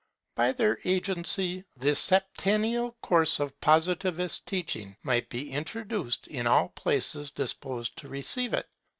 By their agency the septennial course of Positive teaching might be introduced in all places disposed to receive it.